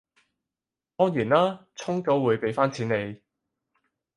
當然啦，充咗會畀返錢你